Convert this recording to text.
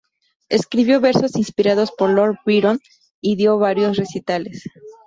Escribió versos inspirados por Lord Byron y dio varios recitales.